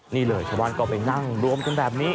นี่เลยชาวบ้านก็ไปนั่งรวมกันแบบนี้